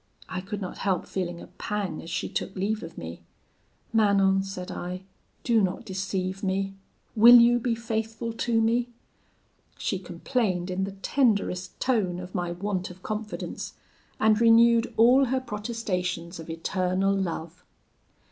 I could not help feeling a pang as she took leave of me. 'Manon,' said I, 'do not deceive me; will you be faithful to me?' She complained, in the tenderest tone, of my want of confidence, and renewed all her protestations of eternal love.